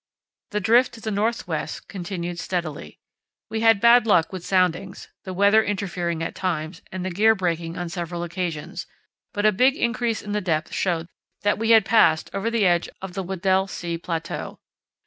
The drift to the north west continued steadily. We had bad luck with soundings, the weather interfering at times and the gear breaking on several occasions, but a big increase in the depth showed that we had passed over the edge of the Weddell Sea plateau.